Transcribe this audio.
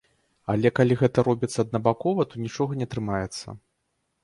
Але калі гэта робіцца аднабакова, то нічога не атрымаецца.